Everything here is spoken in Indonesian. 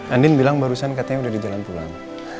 andin bilang barusan katanya udah di jalan pulang